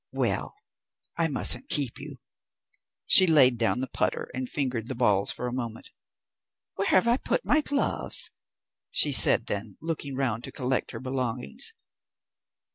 Well, I mustn't keep you." She laid down the putter and fingered the balls for a moment. "Where have I put my gloves?" she said then, looking around to collect her belongings.